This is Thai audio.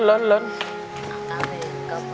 ก่อนไปก็พอ